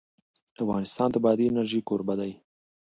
افغانستان د بادي انرژي کوربه دی.